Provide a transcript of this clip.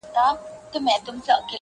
• علم د دواړو جهانونو رڼا ده -